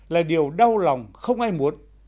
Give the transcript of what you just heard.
là điều đau lòng không ai muốn